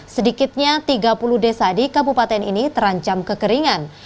sedikitnya tiga puluh desa di kabupaten ini terancam kekeringan